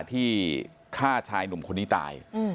ที่ฆ่าชายหนุ่มคนนี้ตาย